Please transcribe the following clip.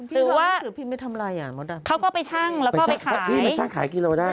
หรือว่าเขาก็ไปช่างแล้วก็ไปขายพี่มันช่างขายกิโลกรัมได้